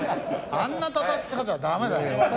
あんな叩き方はダメだよ。